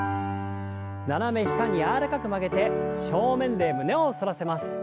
斜め下に柔らかく曲げて正面で胸を反らせます。